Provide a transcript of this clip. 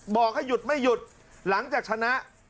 บอกให้หยุดไม่หยุดหลังจากชนะ